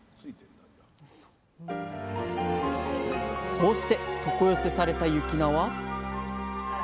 こうして床寄せされた雪菜はあら。